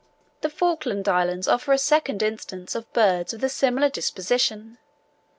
The Falkland Islands offer a second instance of birds with a similar disposition.